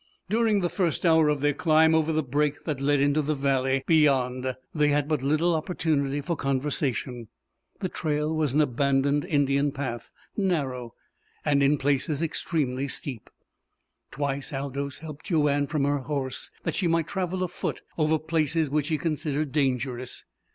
During the first hour of their climb over the break that led into the valley beyond they had but little opportunity for conversation. The trail was an abandoned Indian path, narrow, and in places extremely steep. Twice Aldous helped Joanne from her horse that she might travel afoot over places which he considered dangerous.